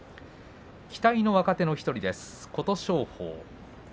期待の若手の１人琴勝峰。